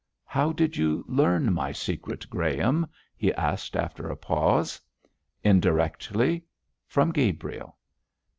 'How did you learn my secret, Graham?' he asked, after a pause. 'Indirectly from Gabriel.'